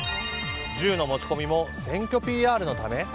銃の持ち込みも選挙ＰＲのため？